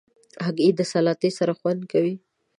هګۍ د سلاتې سره خوند کوي.